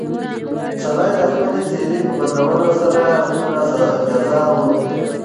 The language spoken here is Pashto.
سړي د خپلې څېرې په بدلولو سره خپله جزا ولیده.